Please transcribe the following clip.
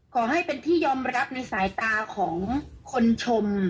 ขอให้เป็นที่ยอมรับในสายตาของคนชม